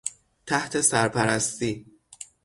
تحت سرپرستی...